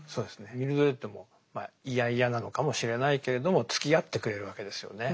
ミルドレッドも嫌々なのかもしれないけれどもつきあってくれるわけですよね。